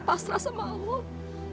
pasrah sama allah